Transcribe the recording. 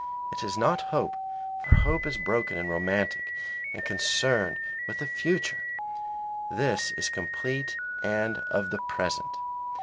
It is not hope, for hope is broken and romantic and concerned with the future; this is complete and of the present.